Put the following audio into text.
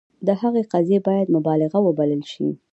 د هغه قضیې باید مبالغه وبلل شي.